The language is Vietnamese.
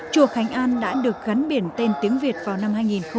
chùa khánh an đã được gắn biển tên tiếng việt vào năm hai nghìn một mươi